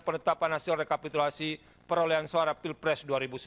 penetapan hasil rekapitulasi perolehan suara pilpres dua ribu sembilan belas